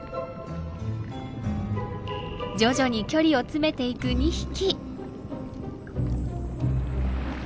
徐々に距離を詰めていく２匹。